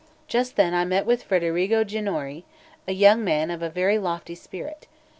Just then I met with Federigo Ginori, a young man of a very lofty spirit.